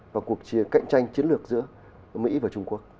và cuộc chiến cạnh tranh chiến lược giữa mỹ và trung quốc